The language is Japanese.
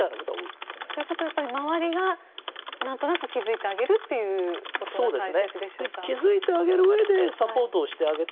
ということは、周りが何となく気づいてあげることが大切でしょうか。